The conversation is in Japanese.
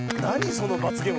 その罰ゲーム。